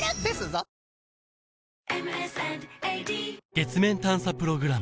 月面探査プログラム